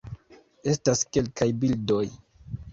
Estas kelkaj bildoj